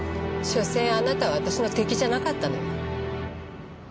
しょせんあなたは私の敵じゃなかったのよ。